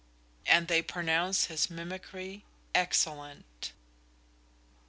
and they pronounce his mimicry "Excellent!"